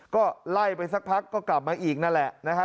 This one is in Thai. ก็ไล่ไปสักพักก็กลับมาอีกนั่นแหละนะครับ